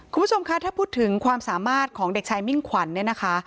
คุณผู้ชมคะถ้าพูดถึงความสามารถของเด็กชายมิ่งขวัญเนี่ยนะคะ